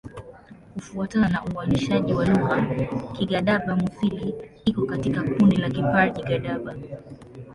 Kufuatana na uainishaji wa lugha, Kigadaba-Mudhili iko katika kundi la Kiparji-Gadaba.